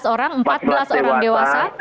tiga belas orang empat belas orang dewasa